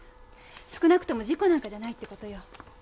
少なくても事故なんかじゃないって事よ。